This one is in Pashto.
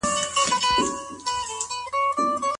قرآن کريم د مسلمانو ښځو په اړه څه فرمايي؟